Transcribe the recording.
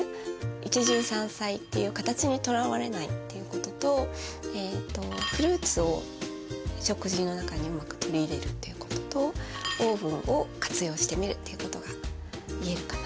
一汁三菜っていう形にとらわれないっていうこととフルーツを食事の中にうまく取り入れるっていうこととオーブンを活用してみるっていうことが言えるかなと思います。